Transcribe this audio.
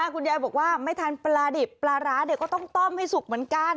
คุณยายบอกว่าไม่ทานปลาดิบปลาร้าก็ต้องต้มให้สุกเหมือนกัน